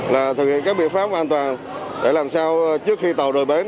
là thực hiện các biện pháp an toàn để làm sao trước khi tàu rời bến